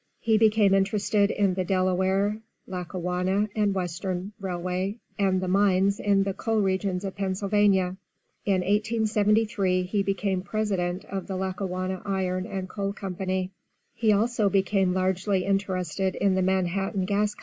He became interested in the Delaware, Lackawanna & Western railway, and the mines in the coal regions of Pennsylvania. In 1873 he became President of the Lackawanna Iron and Coal Co. He also became largely interested in the Manhattan Gas Co.